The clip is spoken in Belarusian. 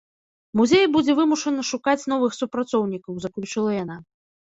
Музей будзе вымушаны шукаць новых супрацоўнікаў, заключыла яна.